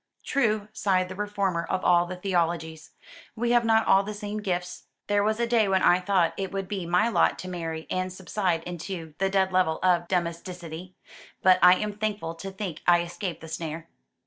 "True," sighed the reformer of all the theologies. "We have not all the same gifts. There was a day when I thought it would be my lot to marry and subside into the dead level of domesticity; but I am thankful to think I escaped the snare."